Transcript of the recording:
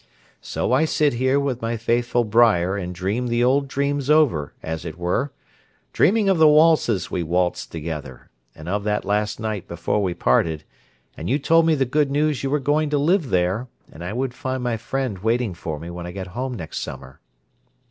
So I sit here with my faithful briar and dream the old dreams over as it were, dreaming of the waltzes we waltzed together and of that last night before we parted, and you told me the good news you were going to live there, and I would find my friend waiting for me, when I get home next summer.